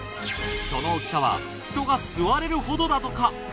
その大きさは人が座れるほどだとか。